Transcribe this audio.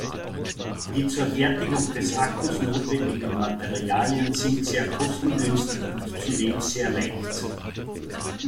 Die zur Fertigung des Akkus notwendigen Materialien sind sehr kostengünstig und zudem sehr leicht.